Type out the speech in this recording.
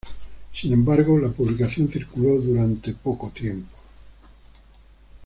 Sin embargo, la publicación circuló durante poco tiempo.